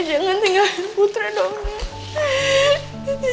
jangan tinggalin putri dong nek